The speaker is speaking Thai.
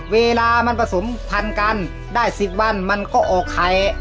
เวลามันผสมผันกันได้สิบบันมันก็ออกไข